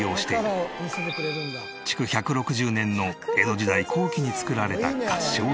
築１６０年の江戸時代後期に作られた合掌造り。